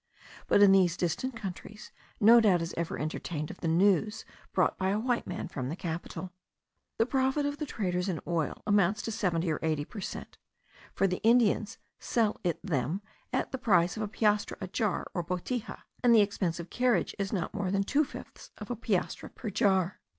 But in these distant countries no doubt is ever entertained of the news brought by a white man from the capital. The profit of the traders in oil amounts to seventy or eighty per cent; for the Indians sell it them at the price of a piastre a jar or botija, and the expense of carriage is not more than two fifths of a piastre per jar.